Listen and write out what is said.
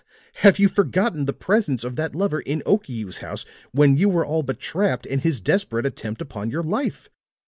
Have you forgotten the presence of that lover in Okiu's house when you were all but trapped, and his desperate attempt upon your life?